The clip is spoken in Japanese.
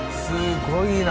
すごい。